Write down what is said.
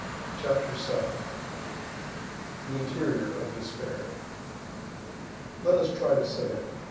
CHAPTER VII—THE INTERIOR OF DESPAIR Let us try to say it.